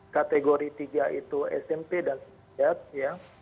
kategori tiga itu smp dan tiga ya